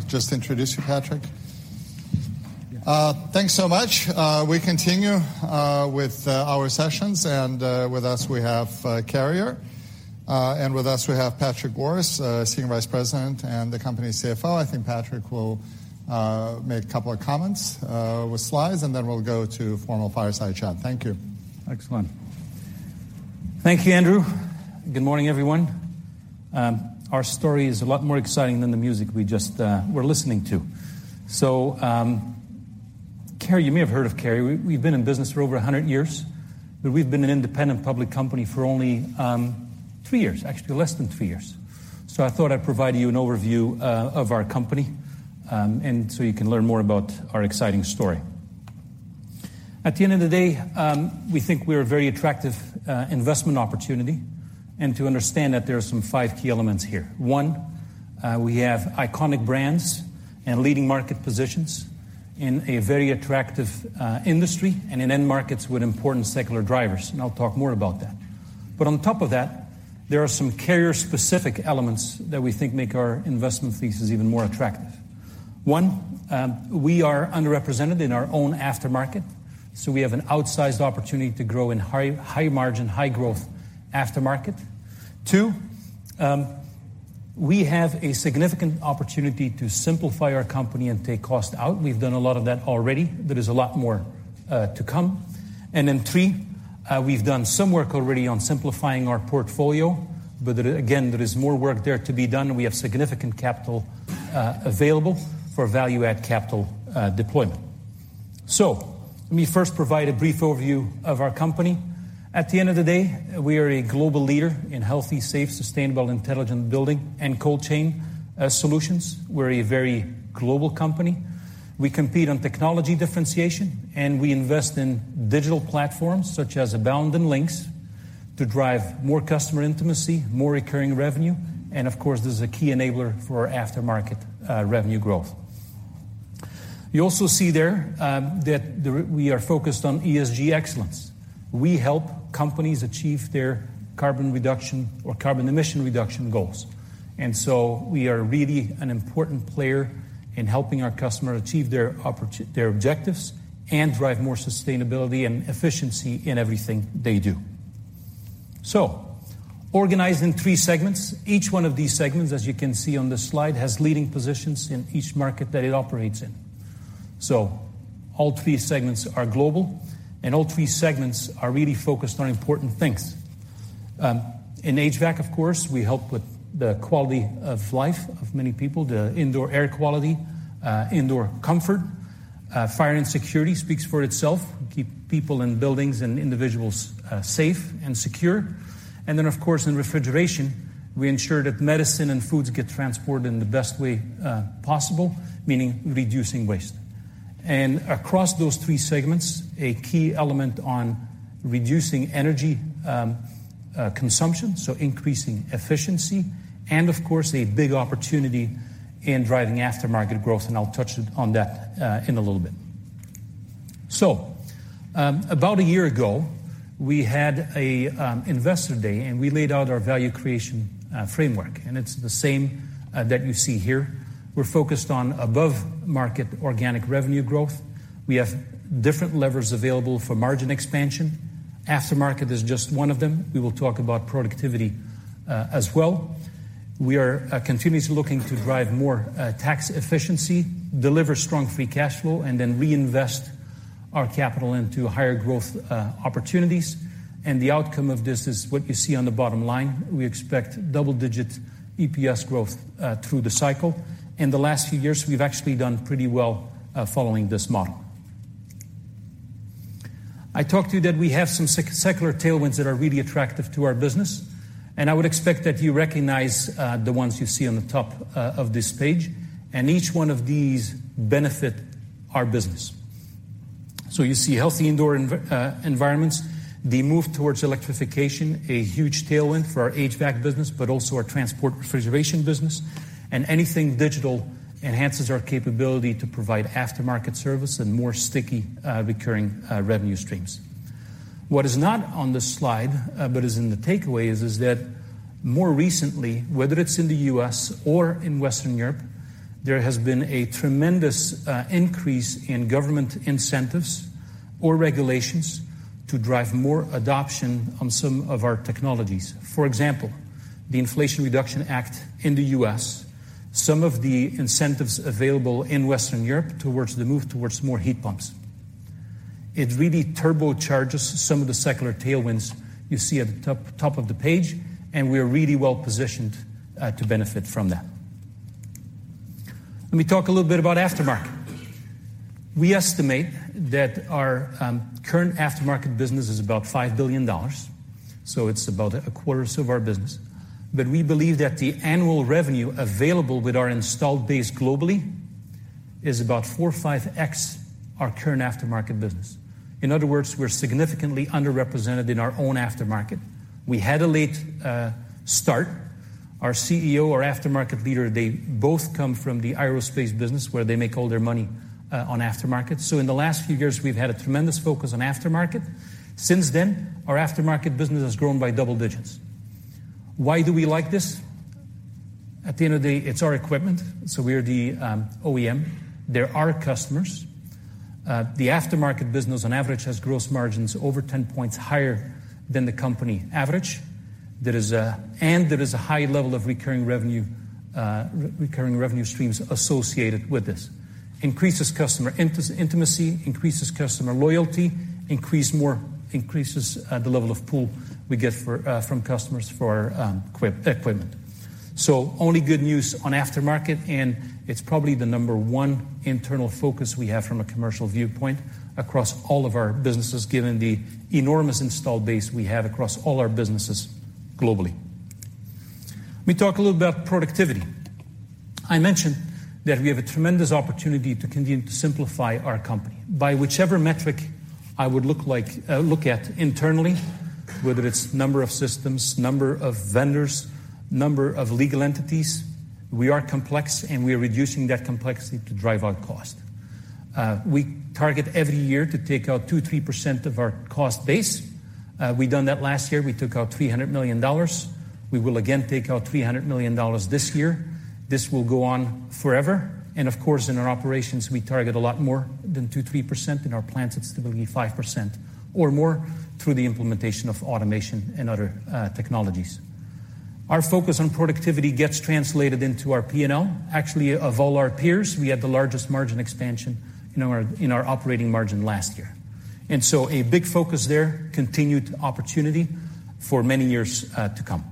Okay, just introduce you, Patrick. Thanks so much. We continue with our sessions, and with us we have Carrier. With us we have Patrick Goris, Senior Vice President and the company's CFO. I think Patrick will make a couple of comments with slides, and then we'll go to formal fireside chat. Thank you. Excellent. Thank you, Andrew. Good morning, everyone. Our story is a lot more exciting than the music we just were listening to. Carrier, you may have heard of Carrier. We've been in business for over 100 years, but we've been an independent public company for only three years, actually less than three years. I thought I'd provide you an overview of our company, and so you can learn more about our exciting story. At the end of the day, we think we're a very attractive investment opportunity, and to understand that there are some five key elements here. one, we have iconic brands and leading market positions in a very attractive industry and in end markets with important secular drivers, and I'll talk more about that. On top of that, there are some Carrier-specific elements that we think make our investment thesis even more attractive. One, we are underrepresented in our own aftermarket, so we have an outsized opportunity to grow in high margin, high growth aftermarket. Two, we have a significant opportunity to simplify our company and take cost out. We've done a lot of that already. There is a lot more to come. Then three, we've done some work already on simplifying our portfolio, but there again, there is more work there to be done, and we have significant capital available for value add capital deployment. Let me first provide a brief overview of our company. At the end of the day, we are a global leader in healthy, safe, sustainable, intelligent building and cold chain solutions. We're a very global company. We compete on technology differentiation, we invest in digital platforms such as Abound and Lynx to drive more customer intimacy, more recurring revenue. Of course, this is a key enabler for our aftermarket revenue growth. You also see there that we are focused on ESG excellence. We help companies achieve their carbon reduction or carbon emission reduction goals. We are really an important player in helping our customer achieve their objectives and drive more sustainability and efficiency in everything they do. Organized in three segments. Each one of these segments, as you can see on this slide, has leading positions in each market that it operates in. All three segments are global, and all three segments are really focused on important things. In HVAC, of course, we help with the quality of life of many people, the indoor air quality, indoor comfort, fire and security speaks for itself. We keep people in buildings and individuals safe and secure. Of course, in refrigeration, we ensure that medicine and foods get transported in the best way possible, meaning reducing waste. Across those three segments, a key element on reducing energy consumption, so increasing efficiency, and of course, a big opportunity in driving aftermarket growth, and I'll touch on that in a little bit. About a year ago, we had a investor day, and we laid out our value creation framework, and it's the same that you see here. We're focused on above market organic revenue growth. We have different levers available for margin expansion. Aftermarket is just one of them. We will talk about productivity as well. We are continuously looking to drive more tax efficiency, deliver strong free cash flow, and then reinvest our capital into higher growth opportunities. The outcome of this is what you see on the bottom line. We expect double-digit EPS growth through the cycle. In the last few years, we've actually done pretty well following this model. I talked to you that we have some secular tailwinds that are really attractive to our business, and I would expect that you recognize the ones you see on the top of this page, and each one of these benefit our business. You see healthy indoor environments. The move towards electrification, a huge tailwind for our HVAC business, but also our transport refrigeration business. Anything digital enhances our capability to provide aftermarket service and more sticky, recurring revenue streams. What is not on this slide, but is in the takeaway is that more recently, whether it's in the U.S. or in Western Europe, there has been a tremendous increase in government incentives or regulations to drive more adoption on some of our technologies. For example, the Inflation Reduction Act in the U.S., some of the incentives available in Western Europe towards the move towards more heat pumps. It really turbocharges some of the secular tailwinds you see at the top of the page, and we are really well positioned to benefit from that. Let me talk a little bit about aftermarket. We estimate that our current aftermarket business is about $5 billion, so it's about a quarter or so of our business. We believe that the annual revenue available with our installed base globally is about four or 5x our current aftermarket business. In other words, we're significantly underrepresented in our own aftermarket. We had a late start. Our CEO, our aftermarket leader, they both come from the aerospace business where they make all their money on aftermarket. In the last few years, we've had a tremendous focus on aftermarket. Since then, our aftermarket business has grown by double digits. Why do we like this? At the end of the day, it's our equipment, so we are the OEM. They're our customers. The aftermarket business on average has gross margins over 10 points higher than the company average. There is a high level of recurring revenue streams associated with this. Increases customer intimacy, increases customer loyalty, increases the level of pull we get for from customers for equipment. Only good news on aftermarket, and it's probably the number one internal focus we have from a commercial viewpoint across all of our businesses, given the enormous installed base we have across all our businesses globally. Let me talk a little about productivity. I mentioned that we have a tremendous opportunity to continue to simplify our company. By whichever metric I would look at internally, whether it's number of systems, number of vendors, number of legal entities, we are complex, and we are reducing that complexity to drive out cost. We target every year to take out 2% to 3% of our cost base. We've done that last year. We took out $300 million. We will again take out $300 million this year. This will go on forever. Of course, in our operations, we target a lot more than 2%-3%. In our plants, it's typically 5% or more through the implementation of automation and other technologies. Our focus on productivity gets translated into our P&L. Actually, of all our peers, we have the largest margin expansion in our operating margin last year. A big focus there, continued opportunity for many years to come.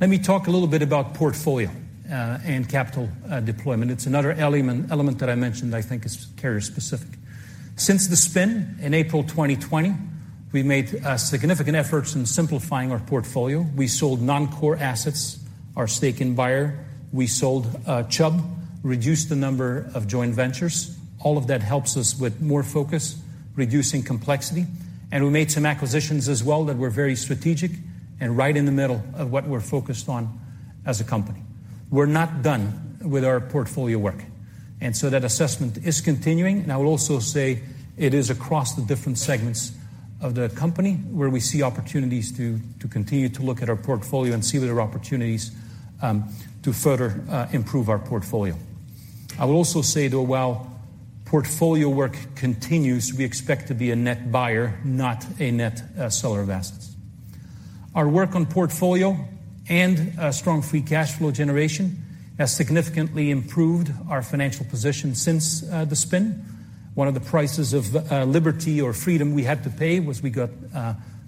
Let me talk a little bit about portfolio and capital deployment. It's another element that I mentioned I think is Carrier-specific. Since the spin in April 2020, we made significant efforts in simplifying our portfolio. We sold non-core assets, our stake in Beijer. We sold Chubb, reduced the number of joint ventures. All of that helps us with more focus, reducing complexity. We made some acquisitions as well that were very strategic and right in the middle of what we're focused on as a company. We're not done with our portfolio work. That assessment is continuing, and I will also say it is across the different segments of the company where we see opportunities to continue to look at our portfolio and see where there are opportunities to further improve our portfolio. I will also say, though, while portfolio work continues, we expect to be a net buyer, not a net seller of assets. Our work on portfolio and strong free cash flow generation has significantly improved our financial position since the spin. One of the prices of liberty or freedom we had to pay was we got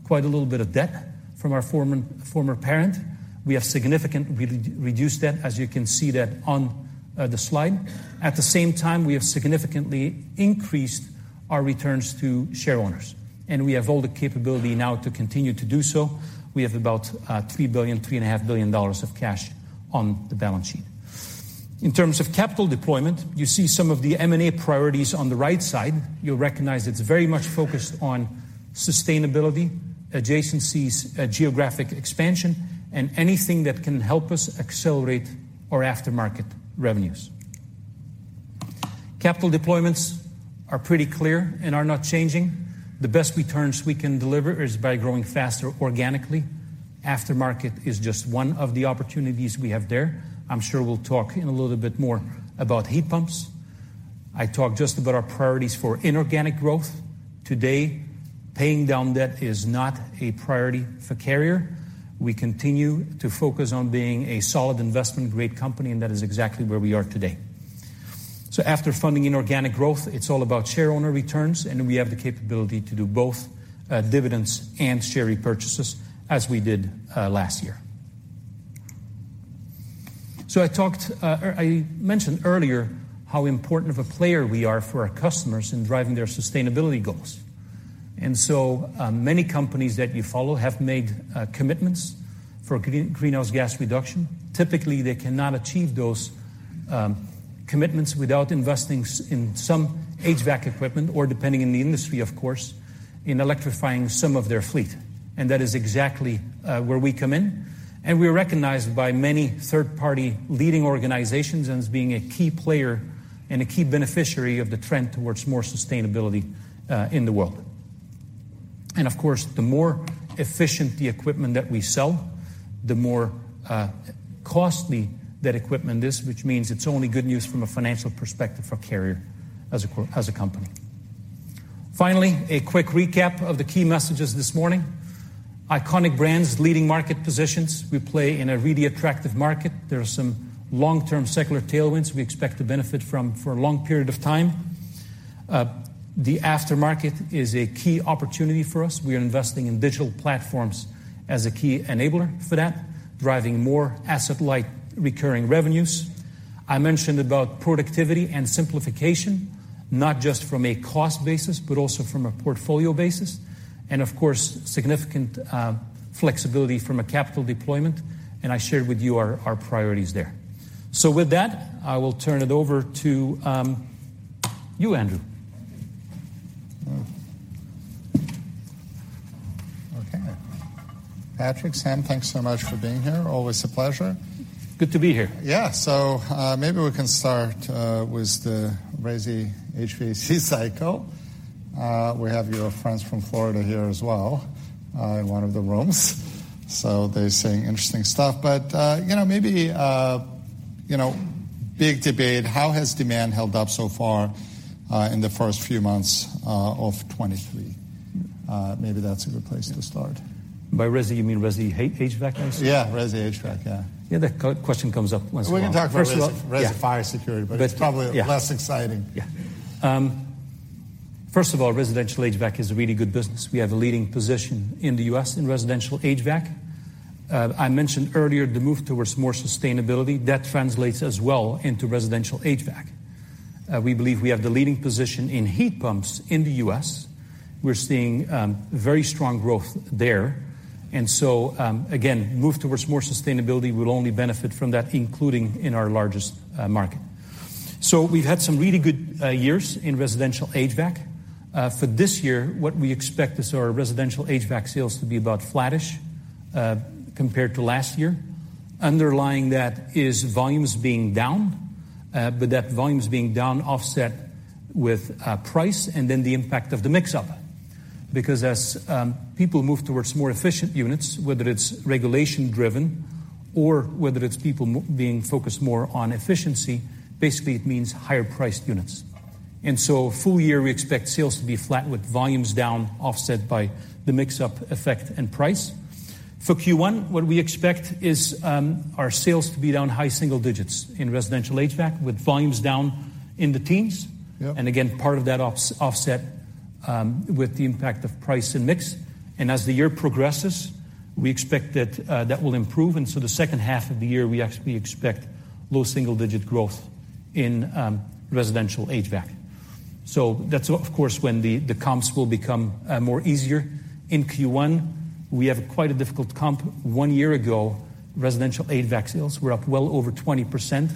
quite a little bit of debt from our former parent. We reduced debt, as you can see that on the slide. At the same time, we have significantly increased our returns to shareholders, and we have all the capability now to continue to do so. We have about $3 billion-$3.5 billion of cash on the balance sheet. In terms of capital deployment, you see some of the M&A priorities on the right side. You'll recognize it's very much focused on sustainability, adjacencies, geographic expansion, and anything that can help us accelerate our aftermarket revenues. Capital deployments are pretty clear and are not changing. The best returns we can deliver is by growing faster organically. Aftermarket is just one of the opportunities we have there. I'm sure we'll talk in a little bit more about heat pumps. I talked just about our priorities for inorganic growth. Today, paying down debt is not a priority for Carrier. We continue to focus on being a solid investment-grade company, and that is exactly where we are today. After funding inorganic growth, it's all about shareholder returns, and we have the capability to do both, dividends and share repurchases as we did last year. I talked or I mentioned earlier how important of a player we are for our customers in driving their sustainability goals. Many companies that you follow have made commitments for greenhouse gas reduction. Typically, they cannot achieve those commitments without investing in some HVAC equipment, or depending on the industry, of course, in electrifying some of their fleet. That is exactly where we come in. We're recognized by many third-party leading organizations as being a key player and a key beneficiary of the trend towards more sustainability in the world. Of course, the more efficient the equipment that we sell, the more costly that equipment is, which means it's only good news from a financial perspective for Carrier as a company. Finally, a quick recap of the key messages this morning. Iconic brands, leading market positions. We play in a really attractive market. There are some long-term secular tailwinds we expect to benefit from for a long period of time. The aftermarket is a key opportunity for us. We are investing in digital platforms as a key enabler for that, driving more asset-light recurring revenues. I mentioned about productivity and simplification, not just from a cost basis, but also from a portfolio basis, and of course, significant flexibility from a capital deployment. I shared with you our priorities there. With that, I will turn it over to you, Andrew. Okay. Patrick, Dave, thanks so much for being here. Always a pleasure. Good to be here. Yeah. Maybe we can start with the crazy HVAC cycle. We have your friends from Florida here as well, in one of the rooms, so they're saying interesting stuff. You know, maybe, you know, big debate, how has demand held up so far in the first few months of 2023? Maybe that's a good place to start. By resi, you mean residential HVAC, I assume? Yeah, resi HVAC, yeah. Yeah, that question comes up once in a while. We can talk about resi- First of all.... resi fire security. That's. Yeah. It's probably less exciting. First of all, residential HVAC is a really good business. We have a leading position in the U.S. in residential HVAC. I mentioned earlier the move towards more sustainability. That translates as well into residential HVAC. We believe we have the leading position in heat pumps in the U.S. We're seeing very strong growth there. Again, move towards more sustainability. We'll only benefit from that, including in our largest market. We've had some really good years in residential HVAC. For this year, what we expect is our residential HVAC sales to be about flattish compared to last year. Underlying that is volumes being down, but that volumes being down offset with price and then the impact of the mix-up. As people move towards more efficient units, whether it's regulation-driven or whether it's people being focused more on efficiency, basically it means higher priced units. Full year, we expect sales to be flat with volumes down, offset by the mix-up effect and price. For Q1, what we expect is our sales to be down high single digits in residential HVAC, with volumes down in the teens. Yep. Again, part of that offset with the impact of price and mix. As the year progresses, we expect that will improve. The second half of the year, we expect low single digit growth in residential HVAC. That's of course when the comps will become more easier. In Q1, we have quite a difficult comp. One year ago, residential HVAC sales were up well over 20%,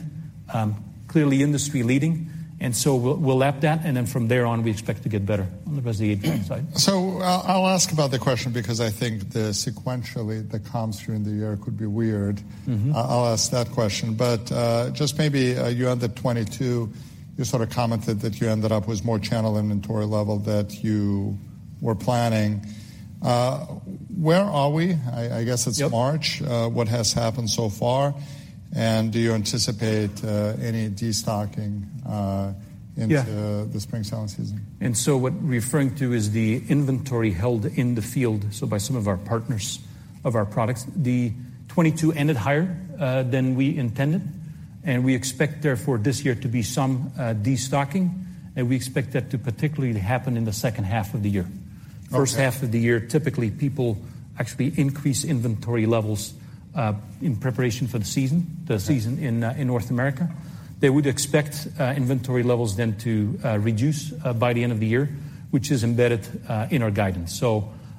clearly industry leading, and so we'll lap that and then from there on we expect to get better on the resi HVAC side. I'll ask about the question because I think the sequentially the comps during the year could be weird. Mm-hmm. I'll ask that question. Just maybe, you had the 2022, you sort of commented that you ended up with more channel inventory level that you were planning. Where are we? I guess it's March. Yep. What has happened so far, and do you anticipate any destocking? Yeah into the spring selling season? What we're referring to is the inventory held in the field, so by some of our partners of our products. The 2022 ended higher than we intended, and we expect therefore this year to be some destocking, and we expect that to particularly happen in the second half of the year. Okay. First half of the year, typically people actually increase inventory levels, in preparation for the season, the season in North America. They would expect inventory levels then to reduce by the end of the year, which is embedded in our guidance.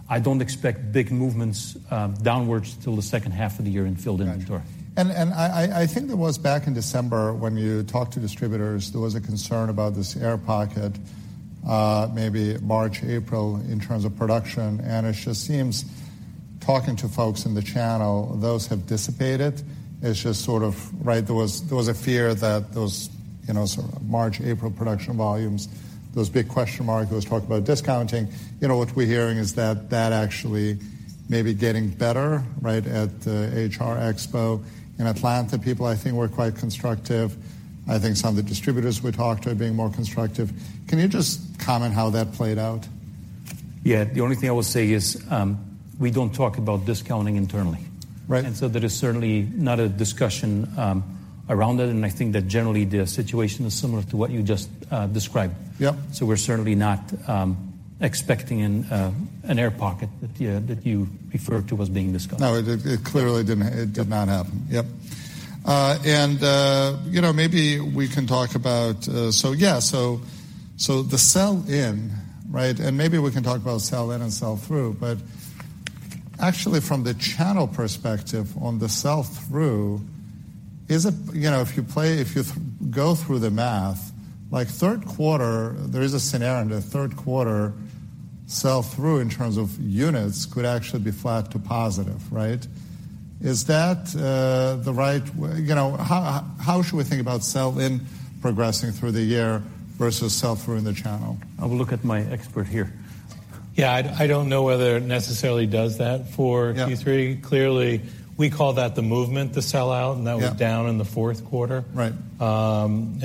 I don't expect big movements downwards till the second half of the year in field inventory. Gotcha. I think it was back in December when you talked to distributors, there was a concern about this air pocket, maybe March, April, in terms of production. It just seems talking to folks in the channel, those have dissipated. It's just sort of. Right? There was a fear that those, you know, sort of March, April production volumes, those big question mark, there was talk about discounting. You know, what we're hearing is that that actually may be getting better, right? At the AHR Expo in Atlanta, people I think were quite constructive. I think some of the distributors we talked to are being more constructive. Can you just comment how that played out? Yeah. The only thing I will say is, we don't talk about discounting internally. Right. There is certainly not a discussion, around it. I think that generally the situation is similar to what you just described. Yep. We're certainly not expecting an air pocket that you referred to was being discussed. No, it clearly didn't, it did not happen. Yep. You know, maybe we can talk about. Yeah, so the sell-in, right? Maybe we can talk about sell-in and sell-through. Actually from the channel perspective on the sell-through, You know, if you go through the math, like third quarter, there is a scenario in the third quarter sell-through in terms of units could actually be flat to positive, right? Is that You know, how should we think about sell-in progressing through the year versus sell-through in the channel? I will look at my expert here. Yeah, I don't know whether it necessarily does that for- Yeah... Q3. Clearly we call that the movement to sell. Yeah That was down in the fourth quarter. Right.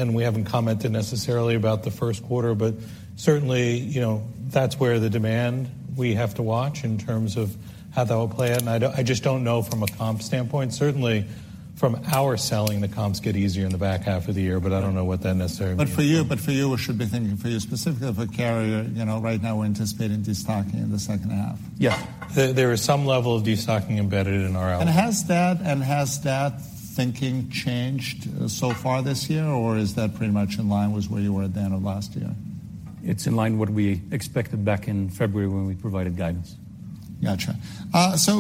We haven't commented necessarily about the first quarter, but certainly, you know, that's where the demand we have to watch in terms of how that will play out. I just don't know from a comp standpoint. Certainly from our selling, the comps get easier in the back half of the year, but I don't know what that necessarily means. For you, we should be thinking for you specifically of a Carrier. You know, right now we're anticipating destocking in the second half. Yeah. There is some level of destocking embedded in our outlook. Has that thinking changed so far this year, or is that pretty much in line with where you were at the end of last year? It's in line what we expected back in February when we provided guidance. Gotcha.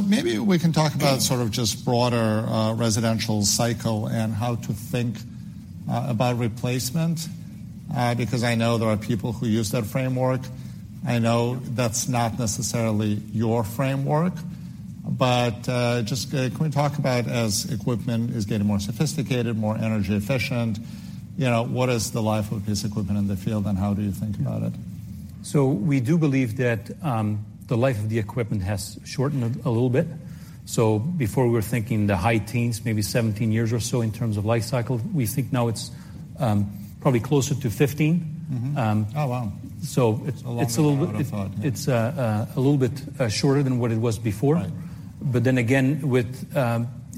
Maybe we can talk about sort of just broader, residential cycle and how to think about replacement, because I know there are people who use that framework. I know that's not necessarily your framework. Just, can we talk about as equipment is getting more sophisticated, more energy efficient, you know, what is the life of a piece of equipment in the field, and how do you think about it? We do believe that the life of the equipment has shortened a little bit. Before we were thinking the high teens, maybe 17 years or so in terms of life cycle, we think now it's probably closer to 15. Mm-hmm. Oh, wow. it's a little bit- A lot more than I would've thought. It's a little bit shorter than what it was before. Right. With,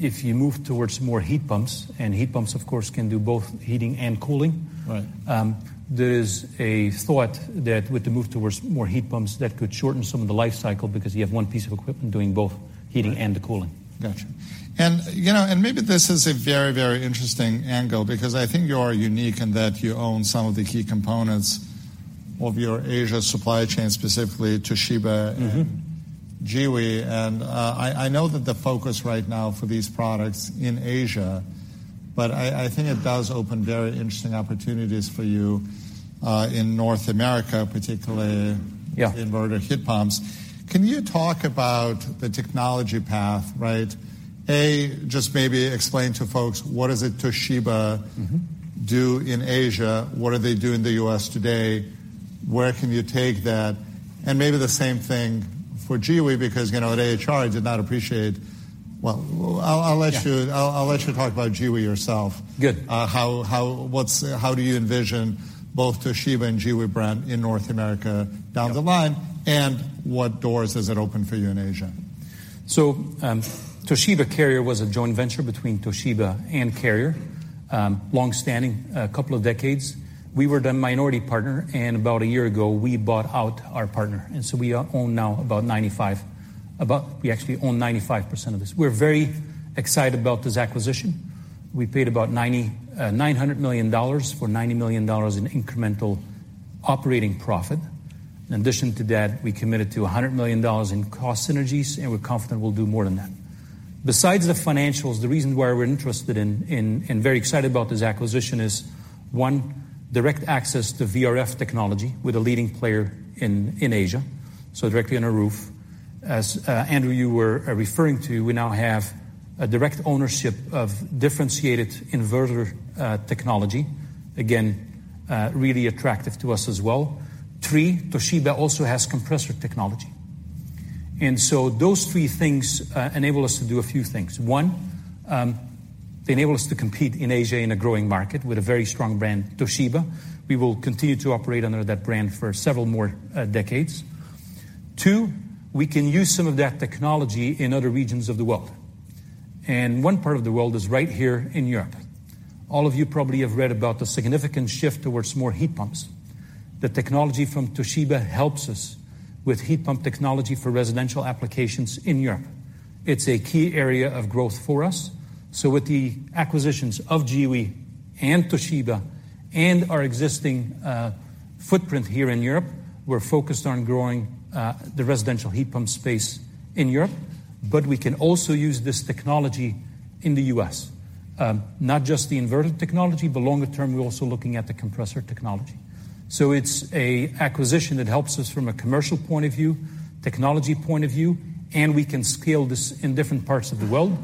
if you move towards more heat pumps, and heat pumps, of course, can do both heating and cooling. Right. There is a thought that with the move towards more heat pumps, that could shorten some of the life cycle because you have one piece of equipment doing both heating and the cooling. Gotcha. You know, and maybe this is a very, very interesting angle because I think you are unique in that you own some of the key components of your Asia supply chain, specifically Toshiba. Mm-hmm. Giwee. I know that the focus right now for these products in Asia, but I think it does open very interesting opportunities for you, in North America, particularly- Yeah. The inverter heat pumps. Can you talk about the technology path, right? Just maybe explain to folks what does a Toshiba- Mm-hmm. Do in Asia? What do they do in the U.S. today? Where can you take that? Maybe the same thing for Giwee because, you know, at AHR, I did not appreciate... Well, I'll let you. Yeah. I'll let you talk about Giwee yourself. Good. How do you envision both Toshiba and Giwee brand in North America down the line? Yeah. What doors does it open for you in Asia? Toshiba Carrier was a joint venture between Toshiba and Carrier, long-standing, a couple of decades. We were the minority partner, and about a year ago, we bought out our partner, and so we actually own 95% of this. We're very excited about this acquisition. We paid about $900 million for $90 million in incremental operating profit. In addition to that, we committed to $100 million in cost synergies, and we're confident we'll do more than that. Besides the financials, the reason why we're interested in very excited about this acquisition is, one, direct access to VRF technology with a leading player in Asia, so directly on a roof. As Andrew, you were referring to, we now have a direct ownership of differentiated inverter technology. Again, really attractive to us as well. Three, Toshiba also has compressor technology. Those three things enable us to do a few things. One, they enable us to compete in Asia in a growing market with a very strong brand, Toshiba. We will continue to operate under that brand for several more decades. Two, we can use some of that technology in other regions of the world, and one part of the world is right here in Europe. All of you probably have read about the significant shift towards more heat pumps. The technology from Toshiba helps us with heat pump technology for residential applications in Europe. It's a key area of growth for us. With the acquisitions of Giwee and Toshiba and our existing footprint here in Europe, we're focused on growing the residential heat pump space in Europe. We can also use this technology in the U.S., not just the inverter technology, but longer term, we're also looking at the compressor technology. It's an acquisition that helps us from a commercial point of view, technology point of view, and we can scale this in different parts of the world.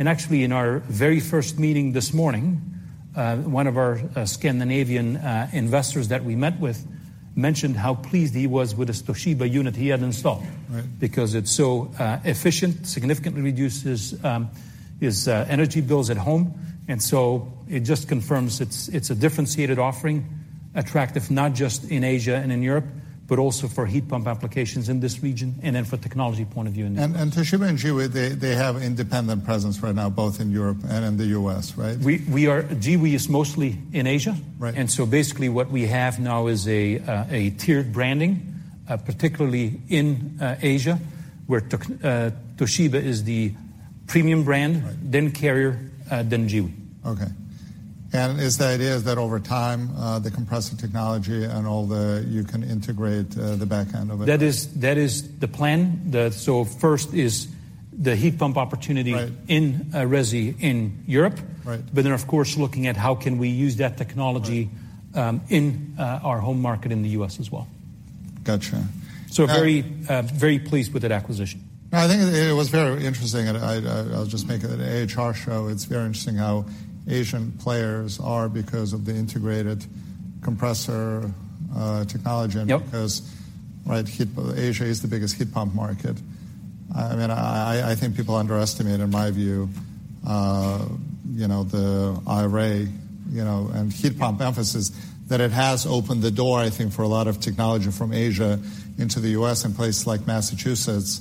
Actually, in our very first meeting this morning, one of our Scandinavian investors that we met with mentioned how pleased he was with this Toshiba unit he had installed. Right. Because it's so efficient, significantly reduces his energy bills at home. It just confirms it's a differentiated offering, attractive not just in Asia and in Europe, but also for heat pump applications in this region and then for technology point of view in this region. Toshiba and Giwee, they have independent presence right now, both in Europe and in the U.S., right? Giwee is mostly in Asia. Right. basically what we have now is a tiered branding, particularly in Asia, where Toshiba is the premium brand. Right. Carrier, then Giwee. Okay. Is the idea that over time, the compressor technology and all the... You can integrate, the back end of it, right? That is the plan. First is the heat pump opportunity. Right. In resi in Europe. Right. Of course, looking at how can we use that technology... Right. In our home market in the U.S. as well. Gotcha. So very- And- Very pleased with that acquisition. No, I think it was very interesting. I'll just make it at AHR show, it's very interesting how Asian players are because of the integrated compressor technology. Yep. Because, right, Asia is the biggest heat pump market. I mean, I think people underestimate, in my view, you know, the array, you know, and heat pump emphasis that it has opened the door, I think, for a lot of technology from Asia into the U.S. in places like Massachusetts.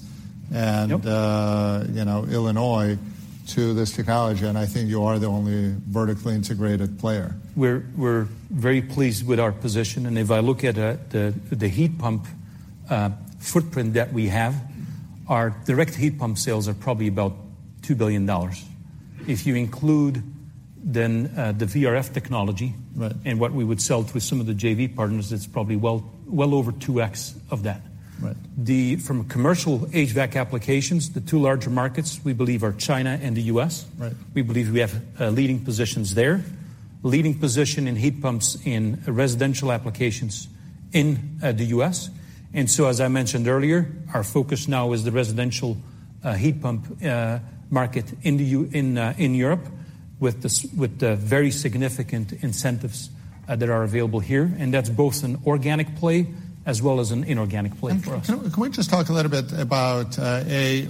Yep. you know, Illinois to this technology, and I think you are the only vertically integrated player. We're very pleased with our position, and if I look at the heat pump footprint that we have, our direct heat pump sales are probably about $2 billion. If you include the VRF technology. Right. What we would sell to some of the JV partners, it's probably well over 2x of that. Right. From a commercial HVAC applications, the two larger markets we believe are China and the U.S. Right. We believe we have leading positions there. Leading position in heat pumps in residential applications in the U.S. As I mentioned earlier, our focus now is the residential heat pump market in Europe with the very significant incentives that are available here, and that's both an organic play as well as an inorganic play for us. Can we just talk a little bit about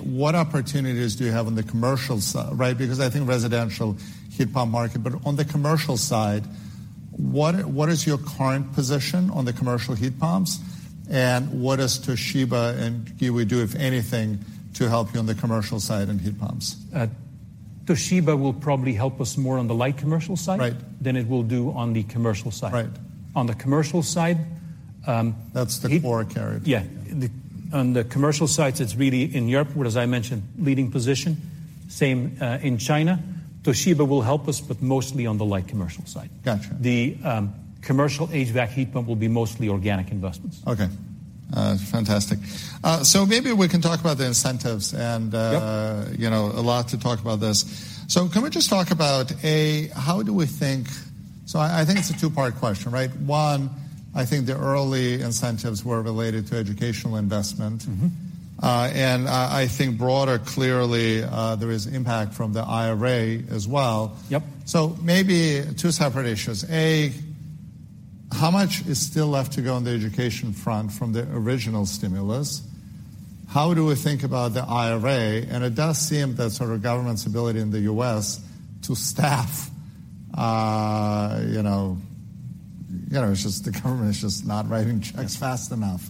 what opportunities do you have on the commercial side, right? I think residential heat pump market. On the commercial side, what is your current position on the commercial heat pumps, and what does Toshiba and Giwee do, if anything, to help you on the commercial side in heat pumps? Toshiba will probably help us more on the light commercial side. Right than it will do on the commercial side. Right. On the commercial side. That's the core Carrier. On the commercial side, it's really in Europe, where, as I mentioned, leading position. Same in China. Toshiba will help us, but mostly on the light commercial side. Gotcha. The commercial HVAC heat pump will be mostly organic investments. Okay. fantastic. Maybe we can talk about the incentives and. Yep... you know, a lot to talk about this. Can we just talk about, A, how do we think. I think it's a two-part question, right? one, I think the early incentives were related to educational investment. Mm-hmm. I think broader clearly, there is impact from the IRA as well. Yep. Maybe two separate issues. A, how much is still left to go on the education front from the original stimulus? How do we think about the IRA? It does seem that sort of government's ability in the U.S. to staff, you know, it's just the government is just not writing checks fast enough.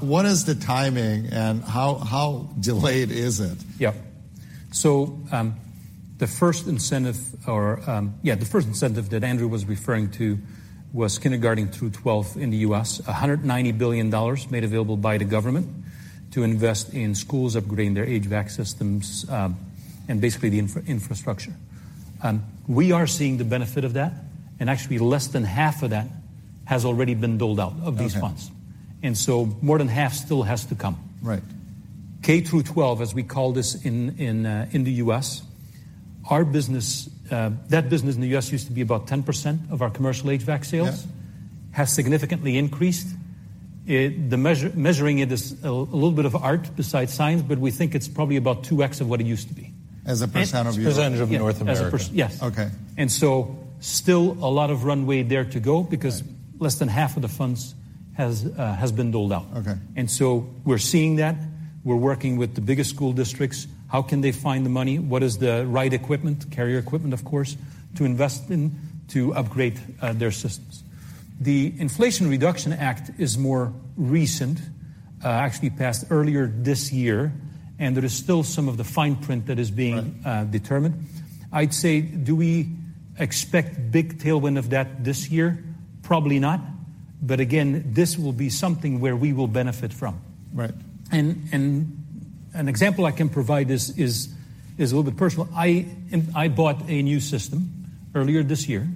What is the timing and how delayed is it? Yep. The first incentive that Andrew was referring to was kindergarten through twelve in the U.S. $190 billion made available by the government to invest in schools upgrading their HVAC systems and basically the infrastructure. We are seeing the benefit of that, and actually less than half of that has already been doled out of these funds. Okay. more than half still has to come. Right. K through twelve, as we call this in the U.S., our business, that business in the U.S. used to be about 10% of our commercial HVAC sales. Yeah... has significantly increased. Measuring it is a little bit of art besides science, but we think it's probably about 2x of what it used to be. As a percent of % of North America. As a %, yes. Okay. still a lot of runway there to go. Right... because less than half of the funds has been doled out. Okay. We're seeing that. We're working with the biggest school districts. How can they find the money? What is the right equipment, Carrier equipment, of course, to invest in to upgrade their systems? The Inflation Reduction Act is more recent, actually passed earlier this year, and there is still some of the fine print that is Right... determined. I'd say, do we expect big tailwind of that this year? Probably not. Again, this will be something where we will benefit from. Right. An example I can provide is a little bit personal. I bought a new system earlier this year,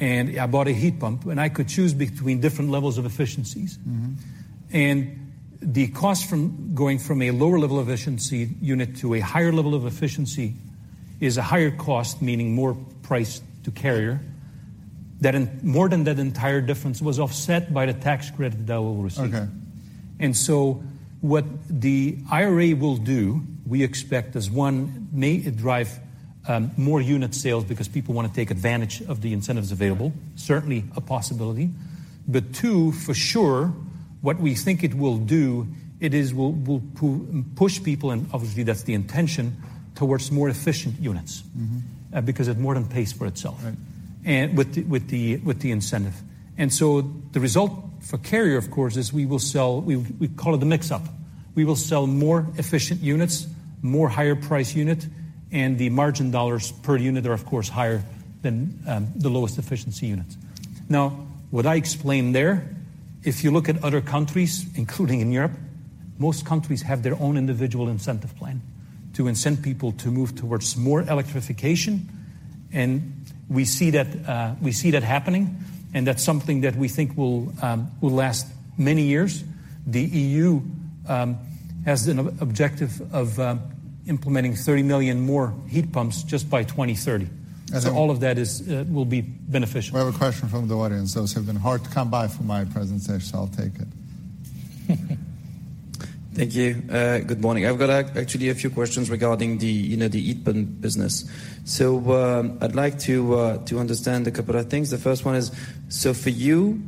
and I bought a heat pump, and I could choose between different levels of efficiencies. Mm-hmm. The cost from going from a lower level efficiency unit to a higher level of efficiency is a higher cost, meaning more price to Carrier. More than that entire difference was offset by the tax credit that I will receive. Okay. What the IRA will do, we expect as, one, may drive, more unit sales because people wanna take advantage of the incentives available. Certainly a possibility. Two, for sure, what we think it will do is will push people, and obviously that's the intention, towards more efficient units. Mm-hmm. because it more than pays for itself. Right and with the incentive. The result for Carrier, of course, is we will sell. We call it the mix-up. We will sell more efficient units, more higher price unit, and the margin dollars per unit are of course higher than the lowest efficiency units. What I explained there, if you look at other countries, including in Europe, most countries have their own individual incentive plan to incent people to move towards more electrification, and we see that we see that happening, and that's something that we think will last many years. The EU has an objective of implementing 30 million more heat pumps just by 2030. As a- All of that is, will be beneficial. We have a question from the audience. Those have been hard to come by for my presentation. I'll take it. Thank you. Good morning. I've got actually a few questions regarding the, you know, the heat pump business. I'd like to understand a couple of things. The first one is, for you,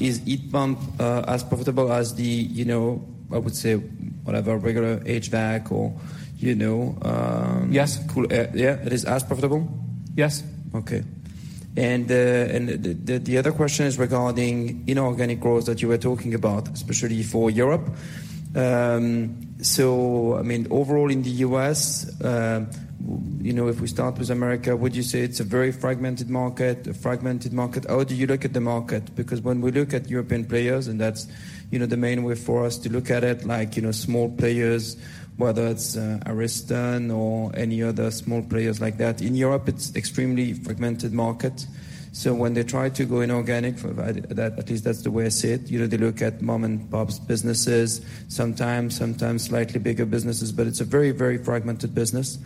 is heat pump as profitable as the, you know, I would say, whatever, regular HVAC or, you know? Yes Cool. Yeah, it is as profitable? Yes. Okay. The other question is regarding inorganic growth that you were talking about, especially for Europe. I mean, overall in the U.S., you know, if we start with America, would you say it's a very fragmented market? A fragmented market? How do you look at the market? When we look at European players, that's, you know, the main way for us to look at it, like, you know, small players, whether it's Ariston or any other small players like that. In Europe, it's extremely fragmented market. When they try to go inorganic provide that, at least that's the way I see it. You know, they look at mom-and-pop businesses sometimes slightly bigger businesses, it's a very fragmented business.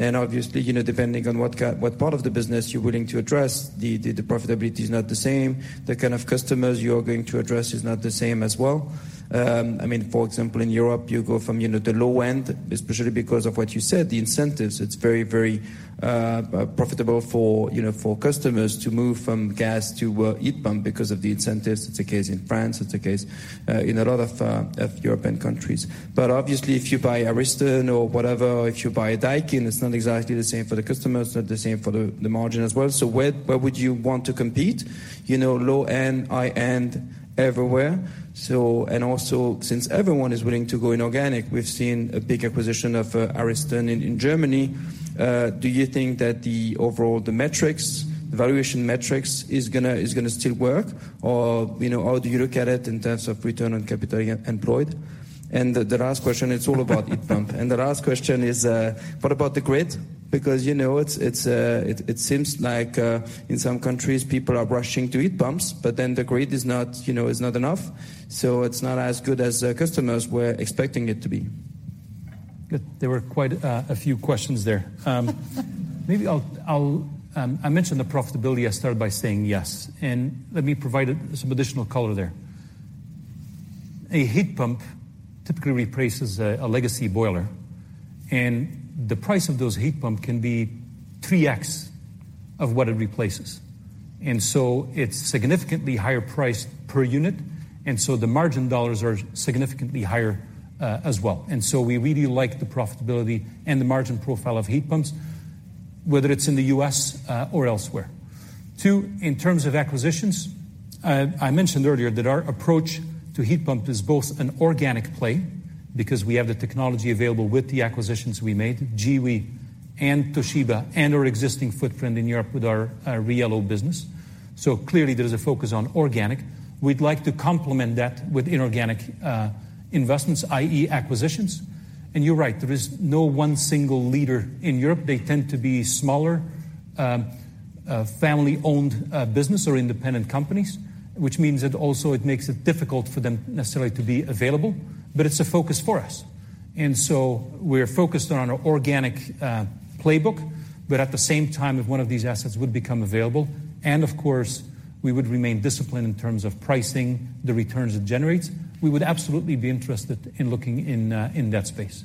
Obviously, you know, depending on what part of the business you're willing to address, the profitability is not the same. The kind of customers you are going to address is not the same as well. I mean, for example, in Europe, you go from, you know, the low end, especially because of what you said, the incentives, it's very profitable for, you know, for customers to move from gas to heat pump because of the incentives. It's the case in France, it's the case in a lot of European countries. Obviously if you buy Ariston or whatever, if you buy Daikin, it's not exactly the same for the customers, not the same for the margin as well. Where, where would you want to compete? You know, low end, high end, everywhere. And also since everyone is willing to go inorganic, we've seen a big acquisition of Ariston in Germany. Do you think that the overall, the metrics, the valuation metrics is gonna still work or, you know, how do you look at it in terms of return on capital employed? The last question, it's all about heat pump. The last question is, what about the grid? You know, it's, it seems like in some countries people are rushing to heat pumps, but then the grid is not, you know, is not enough, so it's not as good as customers were expecting it to be. Good. There were quite a few questions there. maybe I'll, I mentioned the profitability. I started by saying yes, and let me provide some additional color there. A heat pump typically replaces a legacy boiler, and the price of those heat pump can be 3X of what it replaces, and so it's significantly higher price per unit, and so the margin dollars are significantly higher as well. We really like the profitability and the margin profile of heat pumps, whether it's in the U.S. or elsewhere. Two, in terms of acquisitions, I mentioned earlier that our approach to heat pump is both an organic play because we have the technology available with the acquisitions we made, Giwee and Toshiba and our existing footprint in Europe with our Riello business, so clearly there is a focus on organic. We'd like to complement that with inorganic investments, i.e. acquisitions. You're right, there is no one single leader in Europe. They tend to be smaller, family-owned business or independent companies, which means that also it makes it difficult for them necessarily to be available, but it's a focus for us. So we're focused on our organic playbook, but at the same time, if one of these assets would become available, and of course we would remain disciplined in terms of pricing the returns it generates, we would absolutely be interested in looking in that space.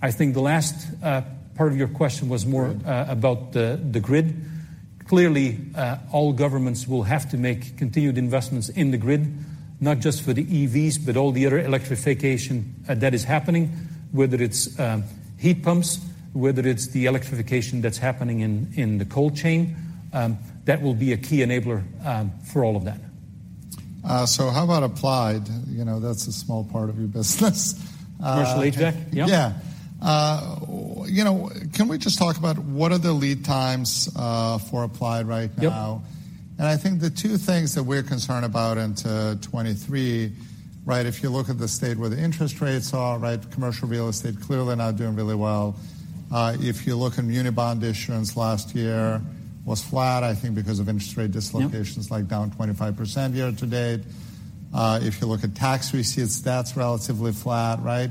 I think the last part of your question was more... Yeah about the grid. Clearly, all governments will have to make continued investments in the grid, not just for the EVs, but all the other electrification that is happening, whether it's heat pumps, whether it's the electrification that's happening in the cold chain, that will be a key enabler for all of that. How about Applied? You know, that's a small part of your business. Commercial HVAC? Yep. You know, can we just talk about what are the lead times for Applied right now? Yep. I think the two things that we're concerned about into 2023, right, if you look at the state where the interest rates are, right, commercial real estate clearly not doing really well. If you look at muni bond issuance last year was flat, I think because of interest rate dislocations. Yep ...like down 25% year to date. If you look at tax receipts, that's relatively flat, right?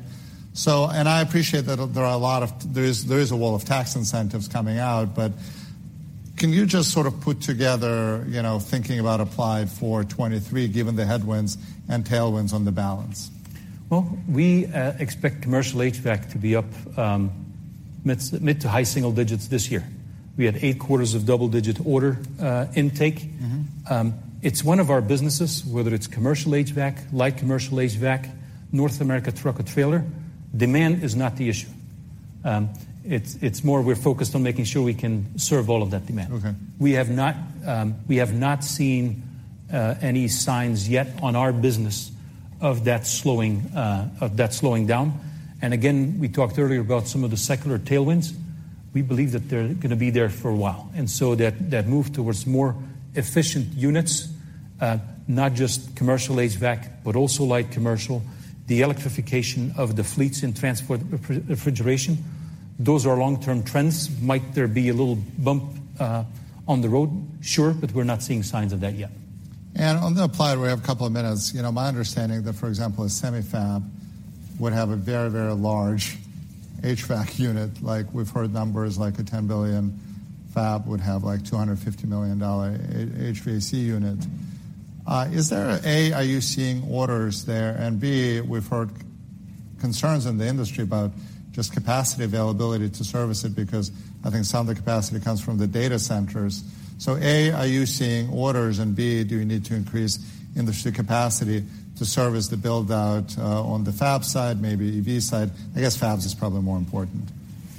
I appreciate that there is a wall of tax incentives coming out, but can you just sort of put together, you know, thinking about Applied for 2023, given the headwinds and tailwinds on the balance? Well, we expect commercial HVAC to be up, mid to high single digits this year. We had eight quarters of double-digit order intake. Mm-hmm. It's one of our businesses, whether it's commercial HVAC, light commercial HVAC, North America truck or trailer, demand is not the issue. It's more we're focused on making sure we can serve all of that demand. Okay. We have not seen any signs yet on our business of that slowing down. Again, we talked earlier about some of the secular tailwinds. We believe that they're gonna be there for a while, that move towards more efficient units, not just commercial HVAC, but also light commercial, the electrification of the fleets in transport refrigeration, those are long-term trends. Might there be a little bump on the road? Sure. We're not seeing signs of that yet. On the Applied, we have a couple of minutes. You know, my understanding that, for example, a semi fab would have a very, very large HVAC unit. Like we've heard numbers like a $10 billion fab would have like $250 million HVAC unit. Is there, A, are you seeing orders there? B, we've heard concerns in the industry about just capacity availability to service it because I think some of the capacity comes from the data centers. A, are you seeing orders? B, do you need to increase industry capacity to service the build out, on the fab side, maybe EV side? I guess fabs is probably more important.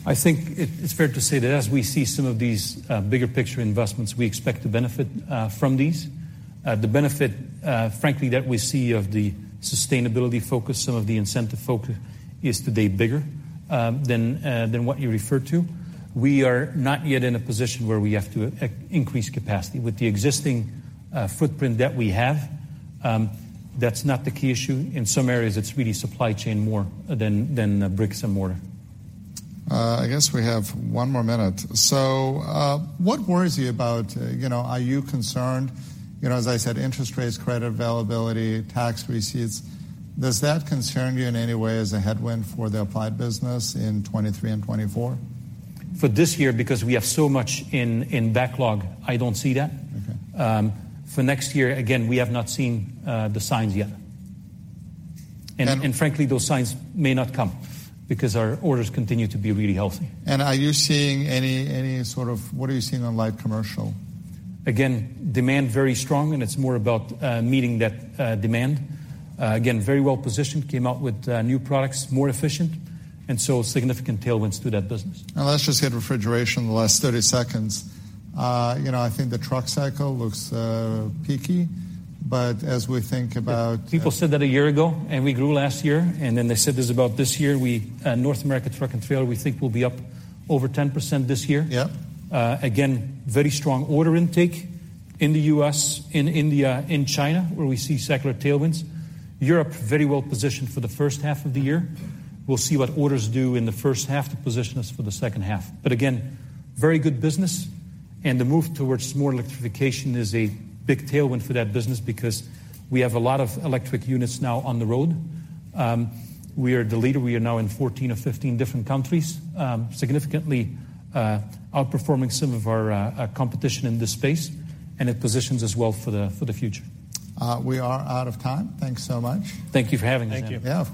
I think it's fair to say that as we see some of these bigger picture investments, we expect to benefit from these. The benefit, frankly, that we see of the sustainability focus, some of the incentive focus is today bigger than what you referred to. We are not yet in a position where we have to increase capacity. With the existing footprint that we have, that's not the key issue. In some areas, it's really supply chain more than bricks and mortar. I guess we have one more minute. What worries you about... You know, are you concerned? You know, as I said, interest rates, credit availability, tax receipts. Does that concern you in any way as a headwind for the Applied business in 2023 and 2024? For this year, because we have so much in backlog, I don't see that. Okay. For next year, again, we have not seen the signs yet. And- Frankly, those signs may not come because our orders continue to be really healthy. Are you seeing any sort of? What are you seeing on light commercial? Again, demand very strong, and it's more about, meeting that, demand. Again, very well-positioned. Came out with, new products, more efficient, and so significant tailwinds to that business. Let's just hit refrigeration in the last 30 seconds. You know, I think the truck cycle looks peaky. People said that a year ago, and we grew last year, and then they said this about this year. We, North America truck and trailer, we think will be up over 10% this year. Yeah. Again, very strong order intake in the U.S., in India, in China, where we see secular tailwinds. Europe, very well-positioned for the first half of the year. We'll see what orders do in the first half to position us for the second half. Again, very good business. The move towards more electrification is a big tailwind for that business because we have a lot of electric units now on the road. We are the leader. We are now in 14 or 15 different countries, significantly outperforming some of our competition in this space, and it positions us well for the, for the future. We are out of time. Thanks so much. Thank you for having us. Thank you. Yeah, of course.